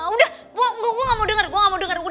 udah gue gak mau denger